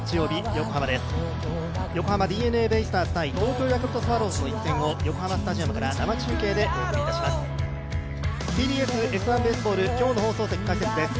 横浜ＤｅＮＡベイスターズ×東京ヤクルトスワローズの試合を横浜スタジアムから生中継でお送りいたします。